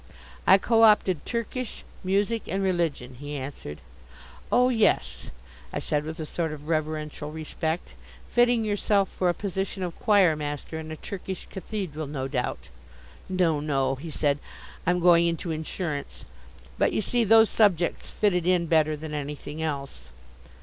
"I co opted Turkish, Music, and Religion," he answered. "Oh, yes," I said with a sort of reverential respect, "fitting yourself for a position of choir master in a Turkish cathedral, no doubt." "No, no," he said, "I'm going into insurance; but, you see, those subjects fitted in better than anything else."